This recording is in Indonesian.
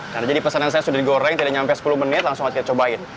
nah jadi pesanan saya sudah digoreng tidak sampai sepuluh menit langsung kita cobain